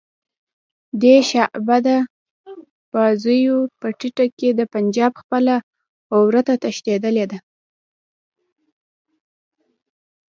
دې شعبده بازیو په نتیجه کې د پنجاب خپله عورته تښتېدلې ده.